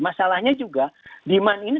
masalahnya juga demand ini